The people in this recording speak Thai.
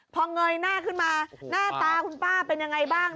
พอเงยหน้าขึ้นมาหน้าตาคุณป้าเป็นยังไงบ้าง